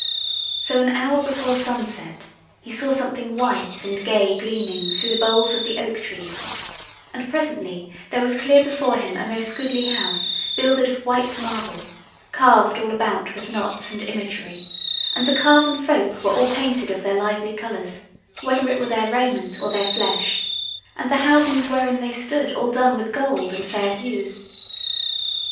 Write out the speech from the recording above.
So an hour before sunset he saw something white and gay gleaming through the boles of the oak trees, and presently there was clear before him a most goodly house builded of white marble, carved all about with knots and imagery, and the carven folk were all painted of their lively colours, whether it were their raiment or their flesh, and the housings wherein they stood all done with gold and fair hues.